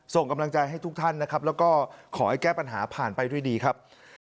ส่งกำลังใจให้ทุกท่านนะครับแล้วก็ขอให้แก้ปัญหาผ่านไปด้วยดีครับ